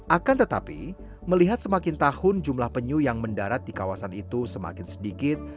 akan tetapi melihat semakin tahun jumlah penyu yang mendarat di kawasan itu semakin sedikit